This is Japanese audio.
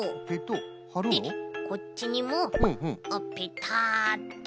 はるの？でこっちにもペタッと。